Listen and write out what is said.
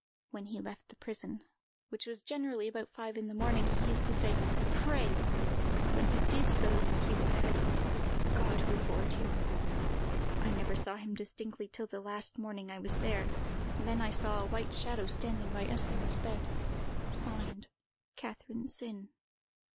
When he left the prison, which was generally about five in the morning, he used to say, 'Pray!' and when he did so, he would add, 'God reward you!' I never saw him distinctly till the last morning I was there; then I saw a white shadow standing by Eslinger's bed. Signed, "CATHERINE SINN.